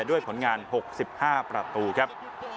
ด้วยผลงาน๖๕ประตูครับ